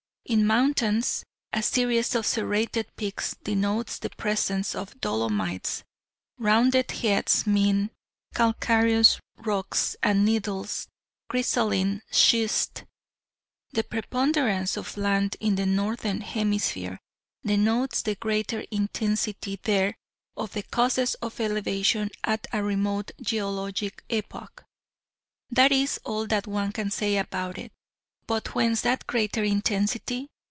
In mountains, a series of serrated peaks denotes the presence of dolomites; rounded heads mean calcareous rocks; and needles, crystalline schists. The preponderance of land in the northern hemisphere denotes the greater intensity there of the causes of elevation at a remote geologic epoch: that is all that one can say about it: but whence that greater intensity?